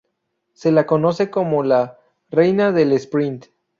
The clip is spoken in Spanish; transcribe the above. Se la conoce como la "reina del sprint".